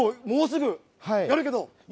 もうすぐ、やるけど。